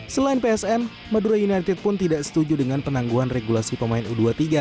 selain psn madura united pun tidak setuju dengan penangguhan regulasi pemain u dua puluh tiga